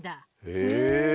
へえ。